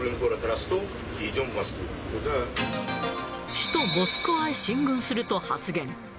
首都モスクワへ進軍すると発言。